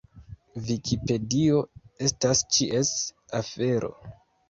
Vikipedio estas ĉies afero.